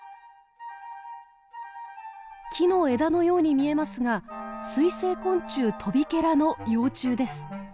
木の枝のように見えますが水生昆虫トビケラの幼虫です。